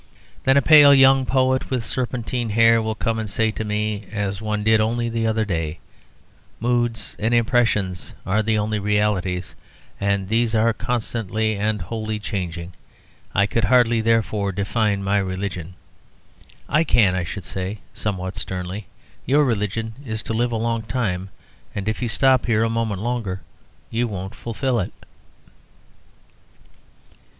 Then a pale young poet with serpentine hair will come and say to me (as one did only the other day): "Moods and impressions are the only realities, and these are constantly and wholly changing. I could hardly therefore define my religion...." "I can," I should say, somewhat sternly. "Your religion is to live a long time; and if you stop here a moment longer you won't fulfil it."